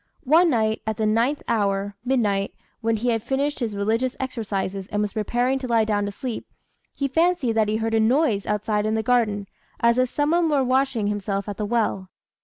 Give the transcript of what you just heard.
One night, at the ninth hour (midnight), when he had finished his religious exercises and was preparing to lie down to sleep, he fancied that he heard a noise outside in the garden, as if some one were washing himself at the well.